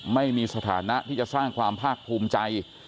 ไม่มีสถานะที่จะสร้างความภาคภูมิใจ